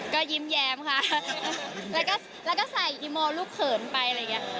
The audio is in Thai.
ก็ยิ้มแย้มค่ะแล้วก็ใส่อีโมลูกเขินไปอะไรอย่างนี้